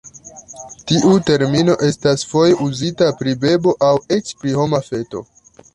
Tiu termino estas foje uzita pri bebo aŭ eĉ pri homa feto.